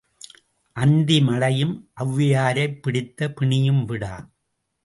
அந்தி மழையும் ஒளவையாரைப் பிடித்த பிணியும் விடா.